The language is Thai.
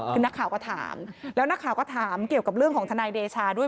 คือนักข่าวก็ถามแล้วนักข่าวก็ถามเกี่ยวกับเรื่องของทนายเดชาด้วย